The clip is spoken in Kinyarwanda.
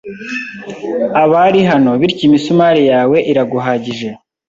Abari hano bityo imisumari yawe iraguhagije